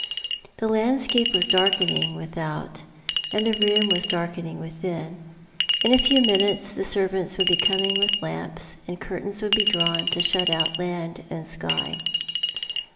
The landscape was darkening without, and the room was darkening within. In a few minutes the servants would be coming with lamps, and curtains would be drawn, to shut out land and sky.